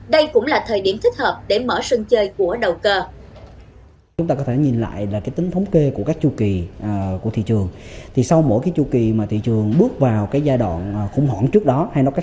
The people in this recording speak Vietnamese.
đây cũng là thời điểm thích hợp để mở sân chơi của đầu cơ